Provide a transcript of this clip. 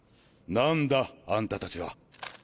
何だあんたたちは。